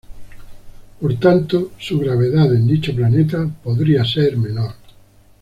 Por tanto, su gravedad en dicho planeta podría ser menor.